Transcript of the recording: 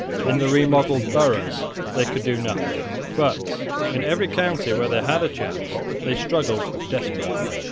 In the remodelled boroughs they could do nothing: but, in every county where they had a chance, they struggled desperately.